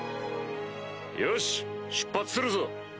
よし出発するぞ。